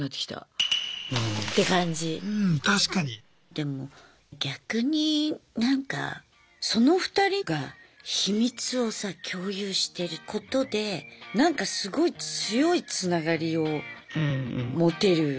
でも逆になんかその２人が秘密をさ共有してることでなんかすごい強いつながりを持てる気もする普通の夫婦より。